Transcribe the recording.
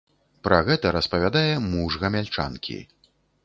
Пра гэта распавядае муж гамяльчанкі.